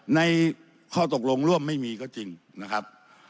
ในข้อตกลงร่วมไม่มีก็จริงนะครับ